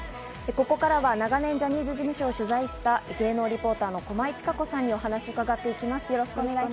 ここからは長年ジャニーズ事務所を取材した芸能リポーターの駒井千佳子さんにお話を伺っていきます。